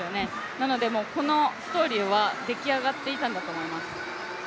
なのでこのストーリーは出来上がっていたんだと思います。